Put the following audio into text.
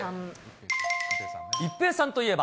一平さんといえば。